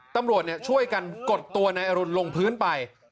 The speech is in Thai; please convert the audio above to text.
ตำรวจช่วยกันกดตัวนายอรุณลงพื้นไป